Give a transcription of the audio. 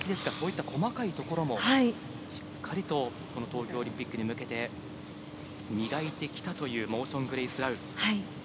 パワー、気迫に目がいきがちですが、細かいところもしっかりと東京オリンピックに向けて磨いてきたという、モーション・グレイスラウ。